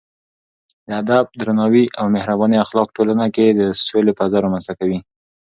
د ادب، درناوي او مهربانۍ اخلاق ټولنه کې د سولې فضا رامنځته کوي.